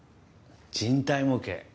人体模型。